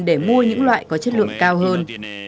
để mua những loại có chất lượng cao hơn